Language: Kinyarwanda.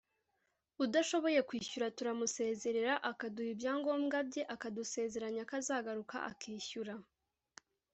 udashoboye kwishyura turamusezerera akaduha ibyangombwa bye akadusezeranya ko azagaruka akishyura”